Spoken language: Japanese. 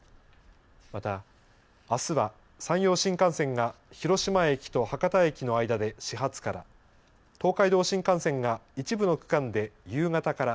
また、あすは山陽新幹線が広島駅と博多駅の間で始発から東海道新幹線が一部の区間で夕方から。